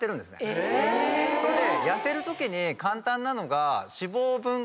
それで。